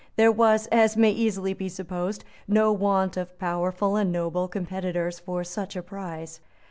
There was, as may easily be supposed, no want of powerful and noble competitors for such a prize.